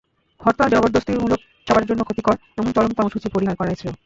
হরতাল জবরদস্তিমূলক, সবার জন্য ক্ষতিকর, এমন চরম কর্মসূচি পরিহার করাই শ্রেয়।